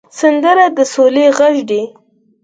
سندره د سولې غږ دی